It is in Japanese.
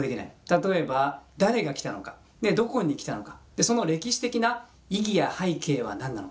例えば誰が来たのかどこに来たのかその歴史的な意義や背景は何なのか。